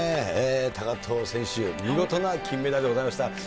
高藤選手、見事な金メダルでございました。